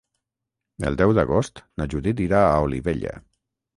El deu d'agost na Judit irà a Olivella.